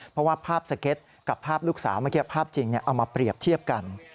เพราะว่าภาพสเก็ตกับภาพลูกสาวเมื่อกี้ภาพจริงเอามาเปรียบเทียบกัน